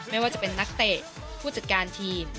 ไม่ว่าจะเป็นนักเตะผู้จัดการทีม